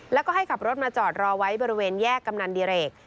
แล้วก็ให้ขับรถมาจอดรอไว้บริเวณแยกกำนันดิเรก